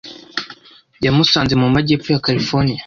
yamusanze mu majyepfo ya Californiya